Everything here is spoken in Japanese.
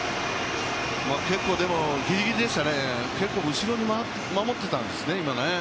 結構ギリギリでしたね、後ろに守ってたんですね、今ね。